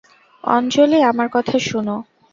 অঞ্জলি, আমার কথা শুনো।